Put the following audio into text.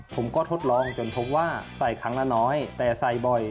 ทดลองจนพบว่าใส่ครั้งละน้อยแต่ใส่บ่อย